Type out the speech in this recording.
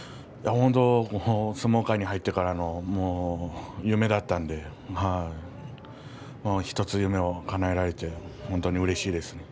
本当に相撲界に入ってからの夢だったので１つ夢をかなえられて本当にうれしいです。